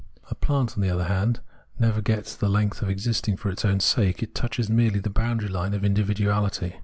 A plant, on the other hand, never gets the length of existing for its own sake ; it touches merely the boundary line of individuality.